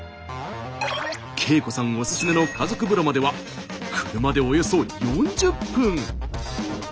圭子さんおすすめの家族風呂までは車でおよそ４０分。